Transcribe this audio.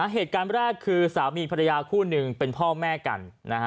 เหตุการณ์แรกคือสามีภรรยาคู่หนึ่งเป็นพ่อแม่กัน